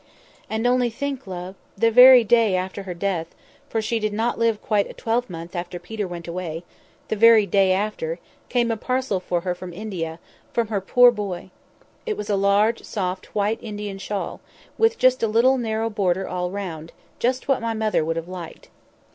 "And only think, love! the very day after her death—for she did not live quite a twelvemonth after Peter went away—the very day after—came a parcel for her from India—from her poor boy. It was a large, soft, white Indian shawl, with just a little narrow border all round; just what my mother would have liked.